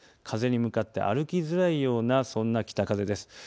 風に向かって歩きづらいようなそんな北風です。